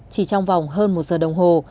chỉ trong vòng hơn một giờ đồng hồ